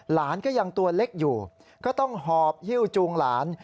หลานก็ยังตัวเล็กอยู่ก็ต้องหอบฮิ้วจูงหลาน